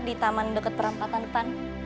di taman dekat perampatan depan